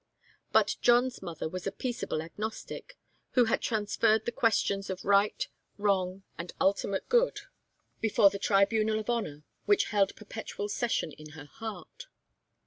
But John's mother was a peaceable agnostic, who had transferred the questions of right, wrong, and ultimate good before the tribunal of honour which held perpetual session in her heart.